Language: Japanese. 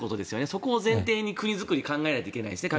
そこを前提に、国作りを考えないといけないですね